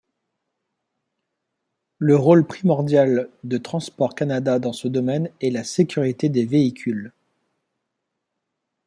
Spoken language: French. Le rôle primordial de Transports Canada dans ce domaine est la sécurité des véhicules.